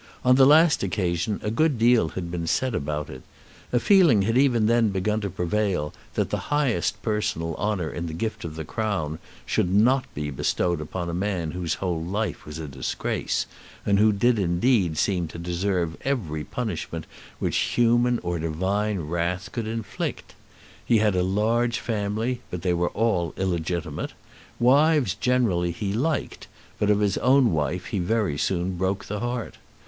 On the last occasion a good deal had been said about it. A feeling had even then begun to prevail that the highest personal honour in the gift of the Crown should not be bestowed upon a man whose whole life was a disgrace, and who did indeed seem to deserve every punishment which human or divine wrath could inflict. He had a large family, but they were all illegitimate. Wives generally he liked, but of his own wife he very soon broke the heart.